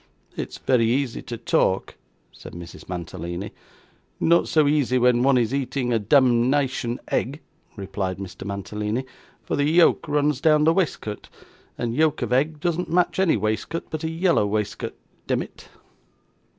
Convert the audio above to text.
'It's very easy to talk,' said Mrs. Mantalini. 'Not so easy when one is eating a demnition egg,' replied Mr. Mantalini; 'for the yolk runs down the waistcoat, and yolk of egg does not match any waistcoat but a yellow waistcoat, demmit.